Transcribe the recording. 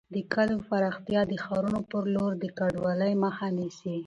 د کليو پراختیا د ښارونو پر لور د کډوالۍ مخه نیسي.